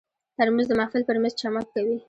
ترموز د محفل پر مېز چمک کوي.